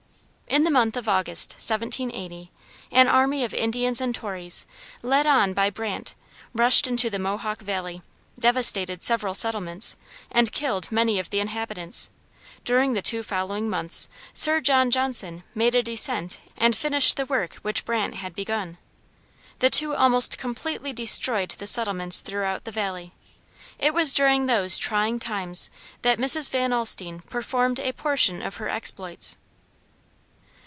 In the month of August, 1780, an army of Indians and Tories, led on by Brant, rushed into the Mohawk Valley, devastated several settlements, and killed many of the inhabitants; during the two following months, Sir John Johnson made a descent and finished the work which Brant had begun. The two almost completely destroyed the settlements throughout the valley. It was during those trying times that Mrs. Van Alstine performed a portion of her exploits.